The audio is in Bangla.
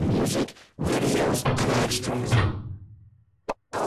তিনি এই সম্পত্তির অধিকারী হবেন।